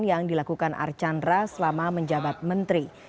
yang dilakukan archan ratahar selama menjabat menteri